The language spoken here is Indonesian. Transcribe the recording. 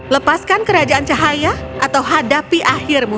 lepaskan kerajaan cahaya atau hadapi akhirmu